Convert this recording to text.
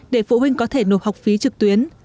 để phụ huynh có thể nộp học phí trực tuyến